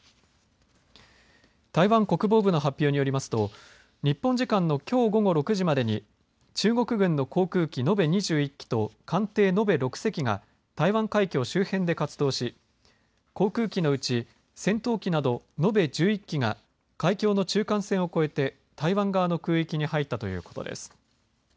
台湾国防部の発表によりますと日本時間のきょう午後６時までに中国軍の航空機延べ２１機と艦艇延べ６隻が台湾海峡周辺で活動し航空機のうち戦闘機など延べ１１機が海峡の中間線を越えて台湾側の空域に入ったということです。